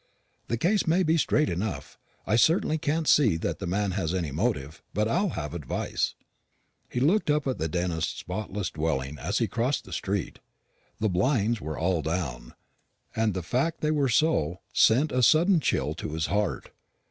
"The case may be straight enough I certainly can't see that the man has any motive but I'll have advice." He looked up at the dentist's spotless dwelling as he crossed the street. The blinds were all down, and the fact that they were so sent a sudden chill to his heart.